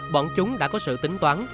bọn chúng đã có sự tính toán